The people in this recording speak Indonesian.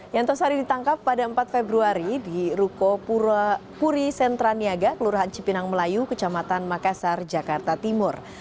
yantosari ditangkap pada empat februari di ruko puri sentra niaga kelurahan cipinang melayu kecamatan makassar jakarta timur